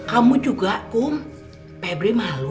kamu juga kum pebri malu